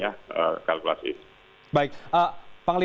baik pak limat tni mengatakan dan juga menko polo